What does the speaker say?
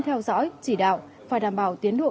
theo dõi chỉ đạo phải đảm bảo tiến độ